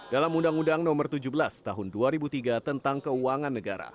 dalam undang undang nomor tujuh belas tahun dua ribu tiga tentang keuangan negara